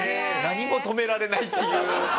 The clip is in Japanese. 何も止められないっていう。